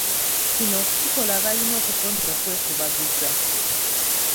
Kino okukikola balina okukomya okwekubagiza.